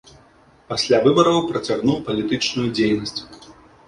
Пасля выбараў працягнуў палітычную дзейнасць.